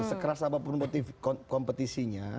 sekeras apapun kompetisinya